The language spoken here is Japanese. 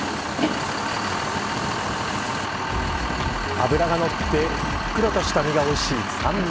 脂がのってふっくらとした身がおいしいサンマ。